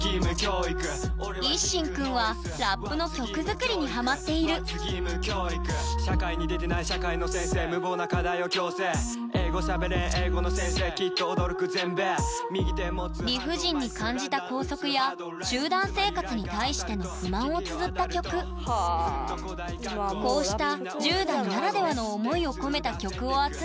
ＩＳＳＨＩＮくんはラップの曲作りにハマっている理不尽に感じた校則や集団生活に対しての不満をつづった曲こうした１０代ならではの思いを込めた曲を集め